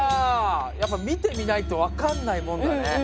やっぱ見てみないと分かんないもんだね。